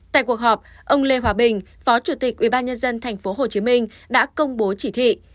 tại cuộc họp ông lê hòa bình phó chủ tịch ubnd tp hcm đã công bố chỉ thị